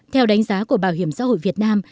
theo đánh giá của bảo hiểm xã hội việt nam